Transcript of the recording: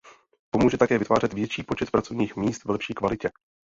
Pomůže také vytvářet větší počet pracovních míst v lepší kvalitě.